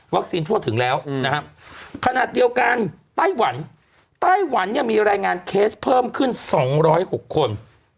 ทั่วถึงแล้วนะครับขนาดเดียวกันไต้หวันไต้หวันเนี่ยมีรายงานเคสเพิ่มขึ้น๒๐๖คน